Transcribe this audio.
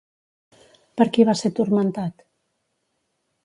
Per qui va ser turmentat?